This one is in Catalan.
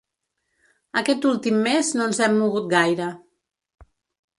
Aquest últim mes no ens hem mogut gaire.